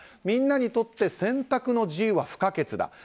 みんなにとって選択の自由は不可欠だ。